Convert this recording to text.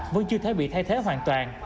vẫn chưa thể bị thay thế hoàn toàn